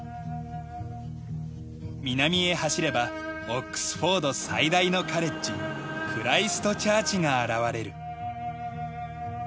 南へ走ればオックスフォード最大のカレッジクライスト・チャーチが現れる。